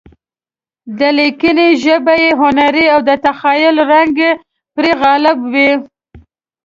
د لیکنې ژبه یې هنري او د تخیل رنګ پرې غالب وي.